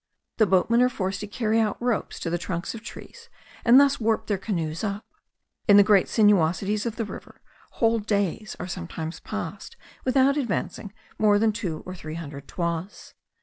The boatmen are forced to carry out ropes to the trunks of trees and thus warp their canoes up. In the great sinuosities of the river whole days are sometimes passed without advancing more than two or three hundred toises.